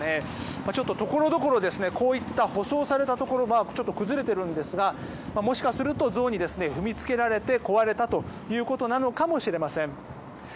ちょっとところどころこういった舗装されたところが崩れているんですがもしかするとゾウに踏みつけられ壊れたということなのかもしれません。